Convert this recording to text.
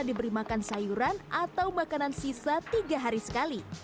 diberi makan sayuran atau makanan sisa tiga hari sekali